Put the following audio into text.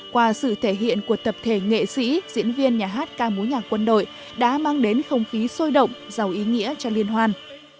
qua sự thể hiện của tập thể nghệ sĩ diễn viên nhà hát ca mối nhạc quân đội đã mang đến không khí sôi động giàu ý nghĩa cho liên hoan